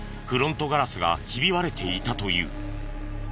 フロントガラスがひび割れていたという。